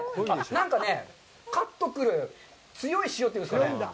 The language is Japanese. なんかね、カッとくる強い塩というんですかね。